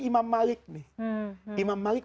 imam malik nih imam malik